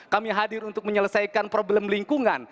kami hadir untuk menyelesaikan problem lingkungan